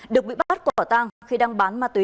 được bị bắt quả tang khi đang bán ma túy